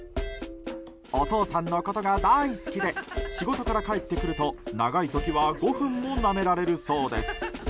お父さんのことが大好きで仕事から帰ってくると長い時は５分もなめられるそうです。